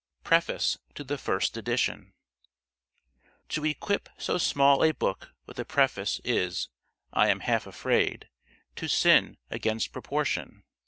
PREFACE TO THE FIRST EDITION TO equip so small a book with a preface is, I am half afraid, to sin against proportion.